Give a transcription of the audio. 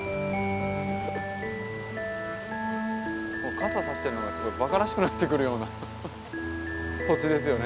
傘差してるのがばからしくなってくるような土地ですよね